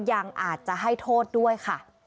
ยังอาจจะให้โทษด้วยค่ะ